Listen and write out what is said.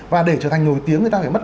và để trở thành nổi tiếng người ta phải mất